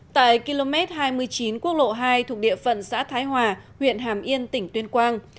tại km hai mươi chín quốc lộ hai thuộc địa phận xã thái hòa huyện hàm yên tỉnh tuyên quang